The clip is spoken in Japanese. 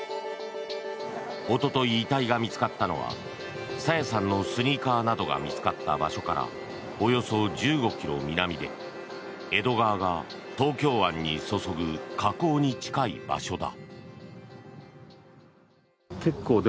おととい遺体が見つかったのは朝芽さんのスニーカーなどが見つかった場所からおよそ１５ｋｍ南で江戸川が東京湾にそそぐ河口に近い場所だ。